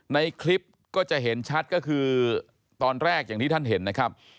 ในคลิปก็จะเห็นชัดก็คือตอนแรกอย่างที่ท่านเห็นนะครับ